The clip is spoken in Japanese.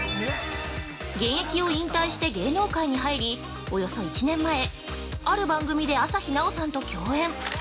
現役を引退して芸能界に入り、およそ１年前、ある番組で朝日奈央さんと共演。